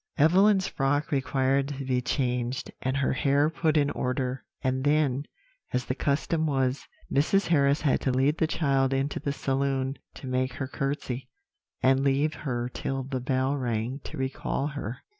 Evelyn's frock required to be changed, and her hair put in order; and then, as the custom was, Mrs. Harris had to lead the child into the saloon to make her curtsey, and leave her till the bell rang to recall her.